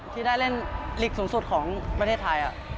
ที่ได้เล่นลีกสูงสุดของประเทศไทย